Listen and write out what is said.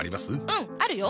うんあるよ！